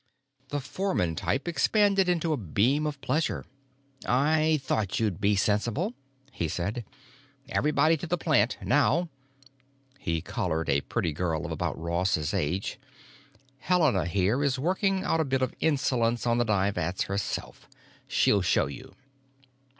The foreman type expanded into a beam of pleasure. "I thought you'd be sensible," he said. "Everybody to the plant, now!" He collared a pretty girl of about Ross's age. "Helena here is working out a bit of insolence on the dye vats herself. She'll show you."